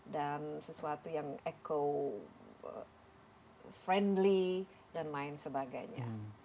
dan sesuatu yang eco friendly dan lain sebagainya